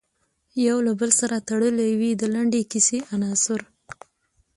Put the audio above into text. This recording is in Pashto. یو له بل سره تړلې وي د لنډې کیسې عناصر.